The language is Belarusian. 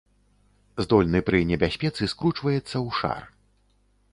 Здольны пры небяспецы скручваецца ў шар.